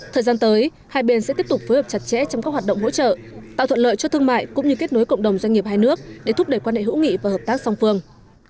thời gian tới hai bên sẽ tiếp tục phối hợp chặt chẽ trong các hoạt động hỗ trợ tạo thuận lợi cho thương mại cũng như kết nối cộng đồng doanh nghiệp hai nước để thúc đẩy quan hệ hữu nghị và hợp tác song phương